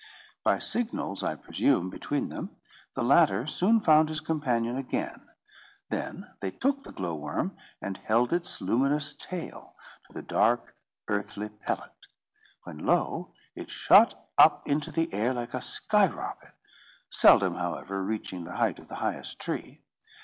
By signals, I presume, between them, the latter soon found his companion again: they then took the glowworm and held its luminous tail to the dark earthly pellet; when lo, it shot up into the air like a sky rocket, seldom, however, reaching the height of the highest tree.